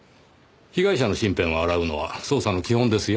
被害者の身辺を洗うのは捜査の基本ですよ。